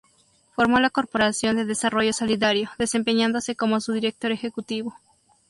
Formó la Corporación de Desarrollo Solidario, desempeñándose como su director ejecutivo.